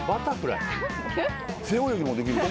背泳ぎもできるし。